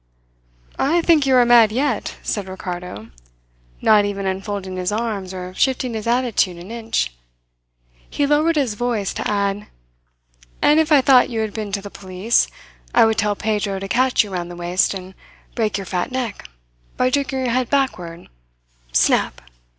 "I think you are mad yet," said Ricardo, not even unfolding his arms or shifting his attitude an inch. He lowered his voice to add: "And if I thought you had been to the police, I would tell Pedro to catch you round the waist and break your fat neck by jerking your head backward snap!